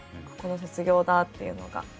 卒業だっていうのが。